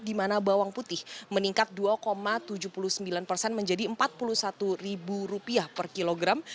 di mana bawang putih meningkat dua tujuh puluh sembilan persen menjadi rp empat puluh satu per kilogram